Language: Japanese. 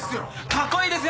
カッコいいですよ！